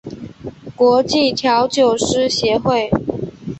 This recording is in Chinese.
国际调酒师协会